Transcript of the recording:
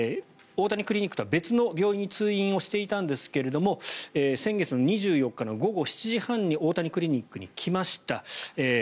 大谷クリニックとは別の病院に通院していたんですが先月２４日午後７時半に大谷クリニックに来ました。